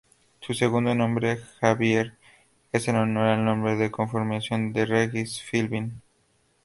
Su segundo nombre, Xavier, es en honor al nombre de confirmación de Regis Philbin.